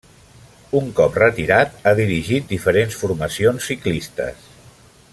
Un cop retirat ha dirigit diferents formacions ciclistes.